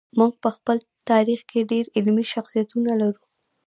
موږ په خپل تاریخ کې ډېر علمي شخصیتونه لرو.